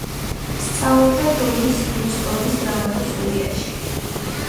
სწავლობდა დონის როსტოვის დრამატულ სტუდიაში.